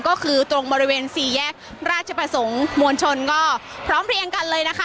ก็คือตรงบริเวณสี่แยกราชประสงค์มวลชนก็พร้อมเรียงกันเลยนะคะ